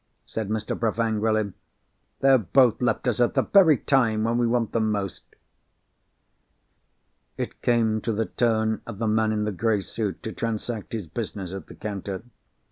said Mr. Bruff angrily. "They have both left us at the very time when we want them most." It came to the turn of the man in the grey suit to transact his business at the counter.